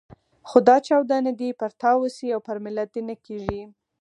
خو دا چاودنه دې پر تا وشي او پر ملت دې نه کېږي.